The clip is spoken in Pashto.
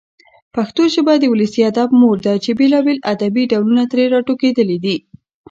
پښتو ژبه د ولسي ادب مور ده چي بېلابېل ادبي ډولونه ترې راټوکېدلي دي.